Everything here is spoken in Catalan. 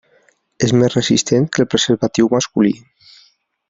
És més resistent que el preservatiu masculí.